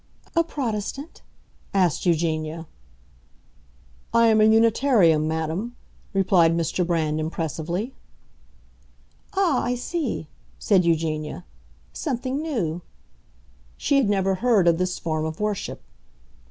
"A Protestant?" asked Eugenia. "I am a Unitarian, madam," replied Mr. Brand, impressively. "Ah, I see," said Eugenia. "Something new." She had never heard of this form of worship. Mr.